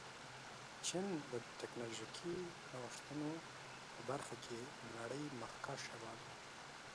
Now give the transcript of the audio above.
چین د ټکنالوژيکي نوښتونو په برخه کې نړۍ مخکښ هېواد و.